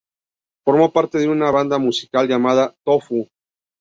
Formó parte de una banda musical llamada Tofu.